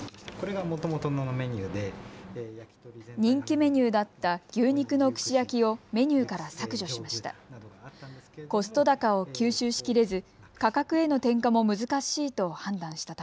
人気メニューだった牛肉の串焼きをメニューから削除しました。